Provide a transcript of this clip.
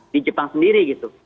di jepang sendiri gitu